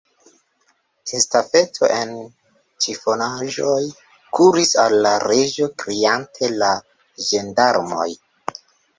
Estafeto en ĉifonaĵoj kuris al la Reĝo, kriante: "La ĝendarmoj!"